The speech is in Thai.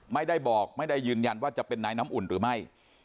ไม่ได้บอกไม่ได้ยืนยันว่าจะเป็นนายน้ำอุ่นหรือไม่